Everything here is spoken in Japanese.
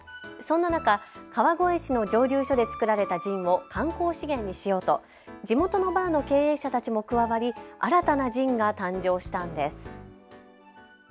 そんな中、川越市の蒸留所で造られたジンを観光資源にしようと地元のバーの経営者たちも加わり新たなジンが誕生したんです。